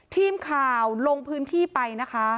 ทีมข่าวลงพื้นที่ไป